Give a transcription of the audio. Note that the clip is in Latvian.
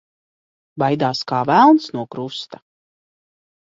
Baidās kā velns no krusta.